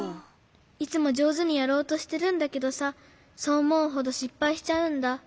いつもじょうずにやろうとしてるんだけどさそうおもうほどしっぱいしちゃうんだ。